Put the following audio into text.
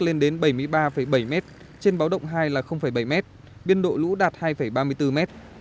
lên đến bảy mươi ba bảy mét trên báo động hai là bảy mét biến độ lũ đạt hai ba mươi bốn mét